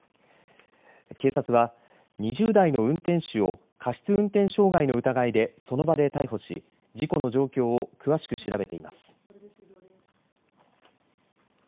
警察は２０代の運転手を過失運転傷害の疑いでその場で逮捕し事故の状況を詳しく調べています。